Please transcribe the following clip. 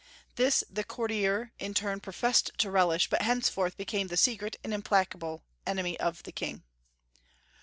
This the courtier in turn professed to relish, but henceforth became the secret and implacable enemy of the king.